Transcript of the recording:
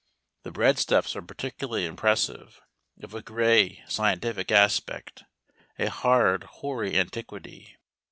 The breadstuffs are particularly impressive, of a grey, scientific aspect, a hard, hoary antiquity.